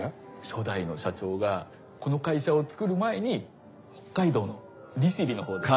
初代の社長がこの会社をつくる前に北海道の利尻のほうで。